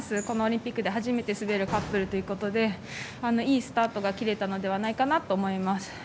このオリンピックで初めて滑るカップルということでいいスタートが切れたのではないかなと思います。